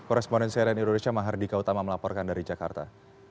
koresponden cnn indonesia mahardika utama melaporkan dari jakarta